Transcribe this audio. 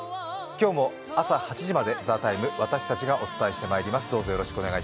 今日も朝８時まで「ＴＨＥＴＩＭＥ，」私たちがお伝えしてまいります。